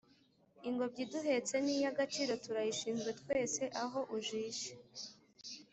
Ingobyi iduhetse ni iy agaciro turayishinzwe twese Aho ujishe